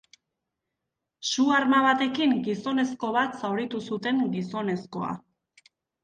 Su-arma batekin gizonezko bat zauritu zuten gizonezkoa.